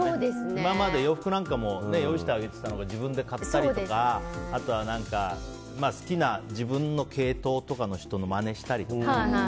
今まで洋服なんかも用意してあげてたのが自分で買ったりとかあとは自分の好きな系統とかの人のまねしたりとかね。